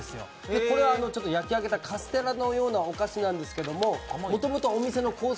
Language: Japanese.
これは焼き上げたカステラのようなお菓子なんですけどもともとお店のコース